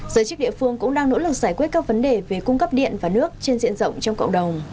giới chức địa phương cũng đang nỗ lực giải quyết các vấn đề về cung cấp điện và nước trên diện rộng trong cộng đồng